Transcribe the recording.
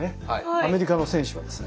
アメリカの選手はですね